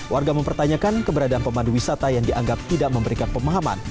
warga mempertanyakan keberadaan pemandu wisata yang dianggap tidak memberikan pemahaman